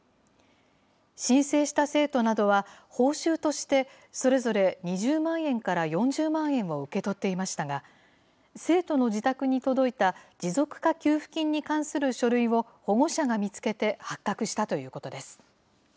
申請した生徒などは報酬としてそれぞれ２０万円から４０万円を受け取っていましたが、生徒の自宅に届いた持続化給付金に関する書類を保護者が見つけて発覚したということです。